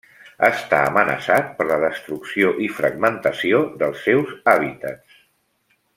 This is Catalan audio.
Està amenaçat per la destrucció i fragmentació dels seus hàbitats.